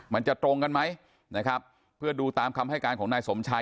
มันจะตรงกันไหมนะครับเพื่อดูตามคำให้การของนายสมชัย